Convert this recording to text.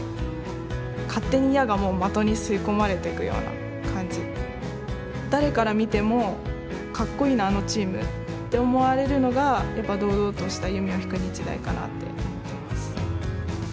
部が掲げてきたのは誰から見てもかっこいいなあのチームって思われるのがやっぱ堂々とした弓を引く日大かなって思ってます。